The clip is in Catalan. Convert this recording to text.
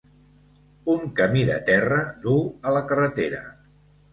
Un camí de terra duu a la carretera.